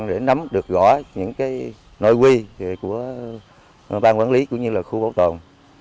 các bà con để nắm được gõ những nội quy của bang quản lý cũng như là khu bảo tồn